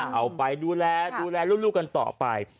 เอาไปดูแลดูแลลูกกันต่อไป